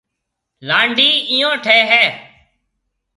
لانڊي ايو ٺيَ ھيََََ